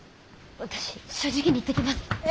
私正直に言ってきます！